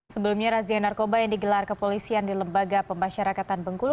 sebelumnya razia narkoba yang digelar kepolisian di lembaga pemasyarakatan bengkulu